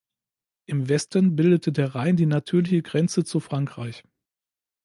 Im Westen bildete der Rhein die natürliche Grenze zu Frankreich.